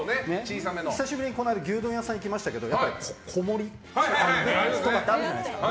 久しぶりに牛丼屋さん行きましたけどやっぱり小盛りとかってあるじゃないですか。